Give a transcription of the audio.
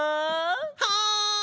はい！